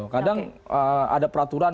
kadang ada peraturan